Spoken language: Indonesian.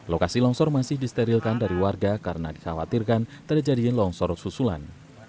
lokasi longsor masih disterilkan dari warga karena dikhawatirkan terjadinya longsor susulan